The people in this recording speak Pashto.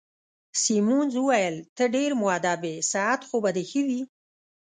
سیمونز وویل: ته ډېر مودب يې، صحت خو به دي ښه وي؟